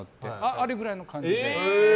あれくらいの感じで。